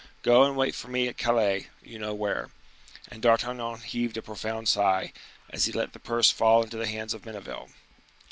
"Go and wait for me at Calais, you know where." And D'Artagnan heaved a profound sigh, as he let the purse fall into the hands of Menneville.